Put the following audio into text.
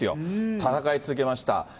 戦い続けました。